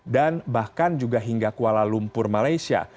dan bahkan juga hingga kuala lumpur malaysia